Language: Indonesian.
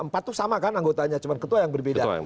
empat itu sama kan anggotanya cuma ketua yang berbeda